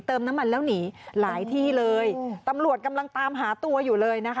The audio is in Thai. เติมน้ำมันแล้วหนีหลายที่เลยตำรวจกำลังตามหาตัวอยู่เลยนะคะ